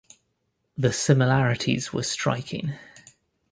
The similarities were striking.